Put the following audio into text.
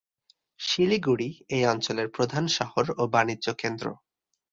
শিলিগুড়ি এই অঞ্চলের প্রধান শহর ও বাণিজ্য কেন্দ্র।